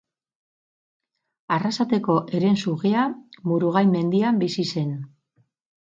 Arrasateko herensugea Murugain mendian bizi zen.